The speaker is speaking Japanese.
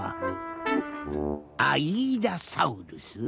アイーダサウルス？